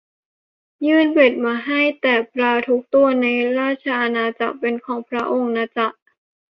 ยื่นเบ็ดมาให้ แต่ปลาทุกตัวในราชอาณาจักรเป็นของพระองค์นะจ๊ะ